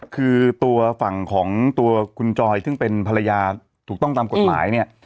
คือตัวฝั่งของตัวคุณจอยซึ่งเป็นภรรยาถูกต้องตามกฎหมายเนี่ย